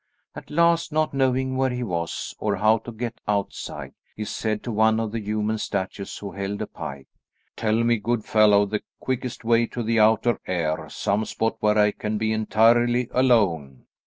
At last, not knowing where he was, or how to get outside, he said to one of the human statues who held a pike, "Tell me, good fellow, the quickest way to the outer air; some spot where I can be entirely alone?"